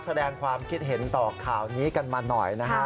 แสดงความคิดเห็นต่อข่าวนี้กันมาหน่อยนะฮะ